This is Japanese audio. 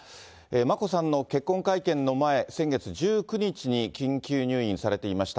眞子さんの結婚会見の前、先月１９日に緊急入院されていました。